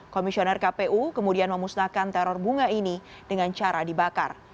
komisioner kpu kemudian memusnahkan teror bunga ini dengan cara dibakar